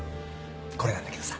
これなんだけどさ